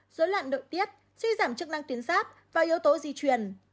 dối loạn đội tiết suy giảm chức năng tuyến sáp và yếu tố di chuyển